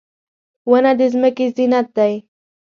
• ونه د ځمکې زینت دی.